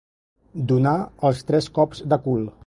Donar els tres cops de cul.